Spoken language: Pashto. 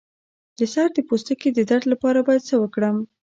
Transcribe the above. د سر د پوستکي د درد لپاره باید څه وکړم؟